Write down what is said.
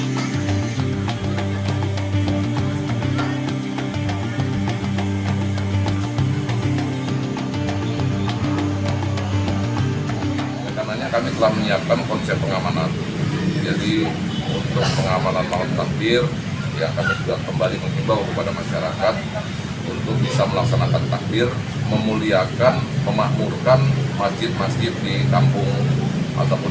hai karena kami telah menyiapkan konsep pengamanan jadi pengamanan maut takdir yang kami juga kembali mengimbau kepada masyarakat untuk bisa melaksanakan takdir memuliakan memahmurkan masjid masjid di kampung ataupun